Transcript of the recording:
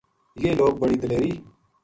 یہ لوک بڑی دلیری